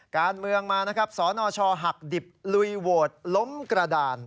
การเมืองมานะครับสนชหักดิบลุยโหวตล้มกระดาน